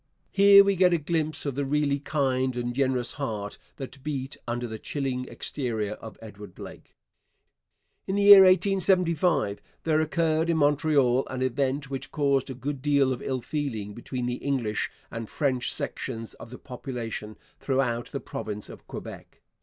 Here we get a glimpse of the really kind and generous heart that beat under the chilling exterior of Edward Blake. In the year 1875 there occurred in Montreal an event which caused a good deal of ill feeling between the English and French sections of the population throughout the province of Quebec.